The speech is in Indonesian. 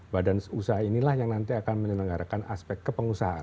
badan usaha inilah yang nanti akan menyelenggarakan aspek kepengusaan